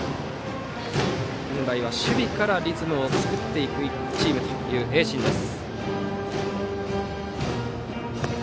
本来は守備からリズムを作っていくというチームの盈進です。